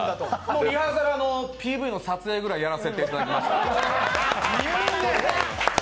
リハーサル、ＰＶの撮影ぐらいやらせていただきました。